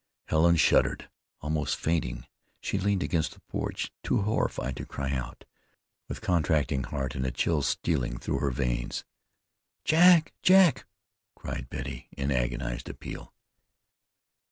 Helen shuddered. Almost fainting, she leaned against the porch, too horrified to cry out, with contracting heart and a chill stealing through her veins. "Jack! Jack!" cried Betty, in agonized appeal.